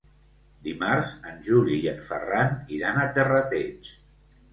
Dimarts en Juli i en Ferran iran a Terrateig.